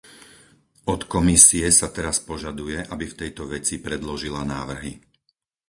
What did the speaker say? Od Komisie sa teraz požaduje, aby v tejto veci predložila návrhy.